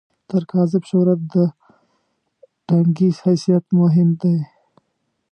تر کاذب شهرت، د ټنګي حیثیت مهم دی.